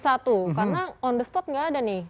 karena on the spot nggak ada nih